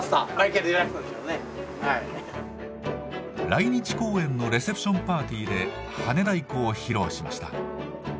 来日公演のレセプションパーティーではね太鼓を披露しました。